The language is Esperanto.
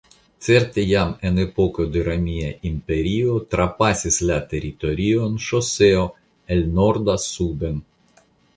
Certe jam en epoko de Romia Imperio trapasis la teritorion ŝoseo el nordo suden.